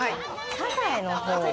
サザエのほうが。